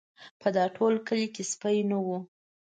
په دا ټول کلي کې سپی نه و.